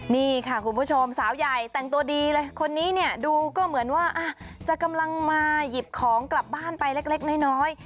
นี่ค่ะคุณผู้ชมสาวใหญ่แต่งตัวดีเลยคนนี้เนี่ยดูก็เหมือนว่าจะกำลังมาหยิบของกลับบ้านไปเล็กน้อย